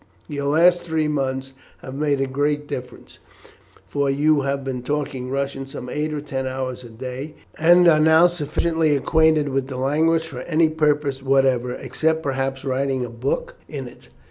The last three months has made a great difference, for you have been talking Russian some eight or ten hours a day, and are now sufficiently acquainted with the language for any purpose whatever, except perhaps writing a book in it.